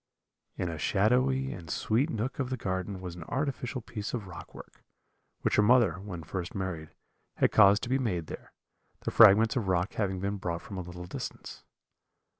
"In a shadowy and sweet nook of the garden was an artificial piece of rock work, which her mother, when first married, had caused to be made there, the fragments of rock having been brought from a little distance.